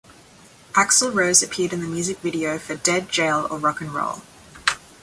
Axl Rose appeared in the music video for "Dead, Jail or Rock 'N' Roll".